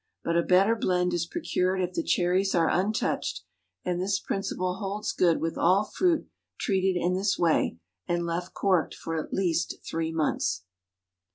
But a better blend is procured if the cherries are untouched, and this principle holds good with all fruit treated in this way, and left corked for at least three months.